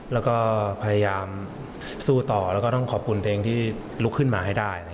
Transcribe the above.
แล้วก็พยายามสู้ต่อแล้วก็ต้องขอบคุณเพลงที่ลุกขึ้นมาให้ได้